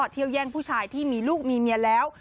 เที่ยวแย่งผู้ชายที่มีลูกมีเมียแล้ว